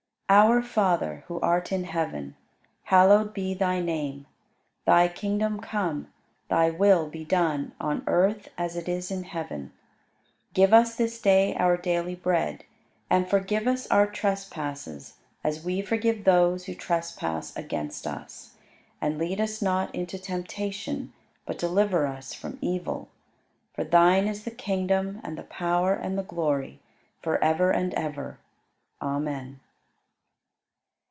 113. Our Father who art in heaven; Hallowed be Thy Name; Thy kingdom come; Thy will be done on earth as it is in heaven; Give us this day our daily bread; And forgive us our trespasses as we forgive those who trespass against us; And lead us not into temptation; But deliver us from evil; For Thine is the kingdom, and the power, and the glory, forever and ever. Amen.